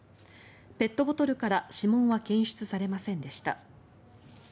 ペットボトルから指紋は検出されませんでした。